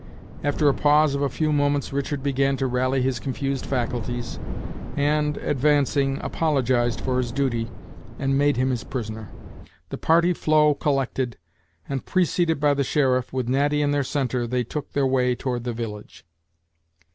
After a pause of a few moments Richard began to rally his confused faculties, and, advancing, apologized for his duty, and made him his prisoner. The party flow collected, and, preceded by the sheriff, with Natty in their centre, they took their way toward the village.